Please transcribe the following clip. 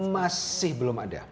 masih belum ada